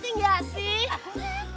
ngerti gak sih